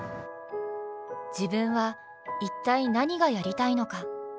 自分は一体何がやりたいのか。